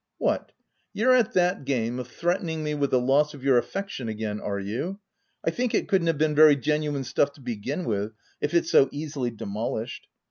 ct What, you're at that game of threatening me with the loss of your affection again, are you? I think it couldn't have been very genuine stuff to begin with, if it's so easily demolished.